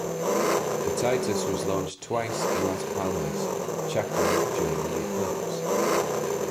The Titus was launched twice in Las Palmas, Chaco during the eclipse.